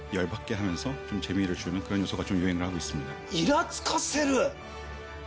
「イラつかせる」。